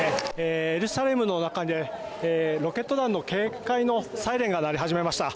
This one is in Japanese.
エルサレムの中でロケット弾の警戒のサイレンが鳴り始めました。